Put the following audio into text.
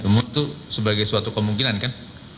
mutu sebagai suatu kemungkinan kan